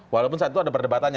walaupun saat itu ada perdebatannya